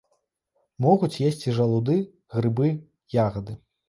Могуць есці жалуды, грыбы, ягады.